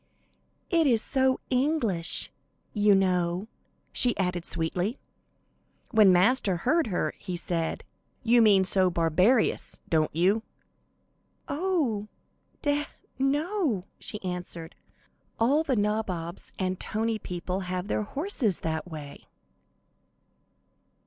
"It is so English, you know," she added, sweetly. When Master heard her, he said: "You mean so barbarous, don't you?" "Oh, deah, no," she answered, "all the nabobs and and tony people have their horses that way."